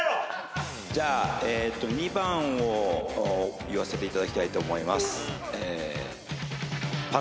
じゃあ２番を言わせていただきたいと思います。